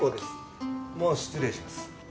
もう失礼します。